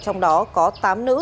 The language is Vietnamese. trong đó có tám nữ